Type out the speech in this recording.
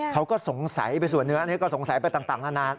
เขาก็สงสัยไปส่วนเนื้อเนี่ยก็สงสัยไปต่างแล้วนะ